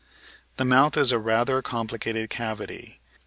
The mouth is a rather complicated cavity.